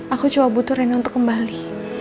aku cuma butuh rene untuk kembali